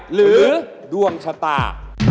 หรือดวงชะตา